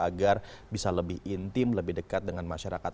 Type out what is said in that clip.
agar bisa lebih intim lebih dekat dengan masyarakat